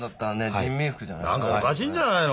何かおかしいんじゃないの？